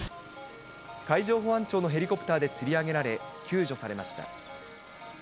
海上保安庁のヘリコプターでつり上げられ、救助されました。